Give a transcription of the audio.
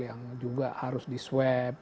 yang juga harus di swab